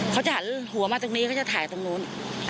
ก็จะหันหัวมาตรงนี้ก็จะถ่ายตรงโน้น